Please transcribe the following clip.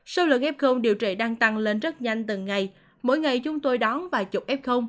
số lượng f điều trị đang tăng lên rất nhanh từng ngày mỗi ngày chúng tôi đón vài chục f